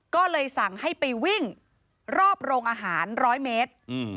ก็เลยสั่งให้ไปวิ่งรอบโรงอาหาร๑๐๐เมตร